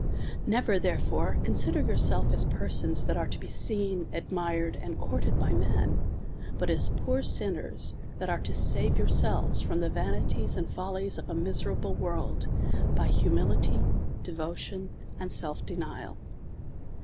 Never therefore consider yourseives as persons that are to be seen, admired, and courted by men; but as poor sinners, that are to save yourselves from the va nities and follies of a miserable world, by humility, de votion, and self denial.